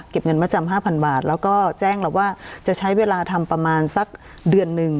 เงินมาจำห้าพันบาทแล้วก็แจ้งเราว่าจะใช้เวลาทำประมาณสักเดือนหนึ่ง